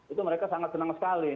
itu mereka sangat senang sekali